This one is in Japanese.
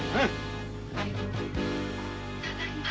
ただいま。